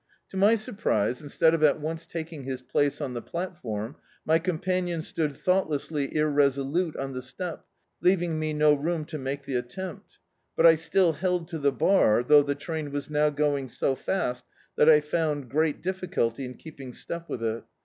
To my surprise, instead of at once taking his place on the platform, my companion stood thoughtlessly irresolute on the step, leaving me no room to make the attempt. But I still held to the bar, though the train was now going so fast that I found great difficulty in keeping step with it.